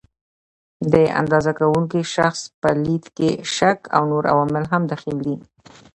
د اندازه کوونکي شخص په لید کې شک او نور عوامل هم دخیل دي.